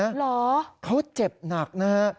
เหรอเขาเจ็บหนักนะฮะ